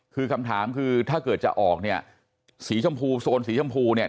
คือคำถามคือถ้าเกิดจะออกเนี่ยสีชมพูโซนสีชมพูเนี่ย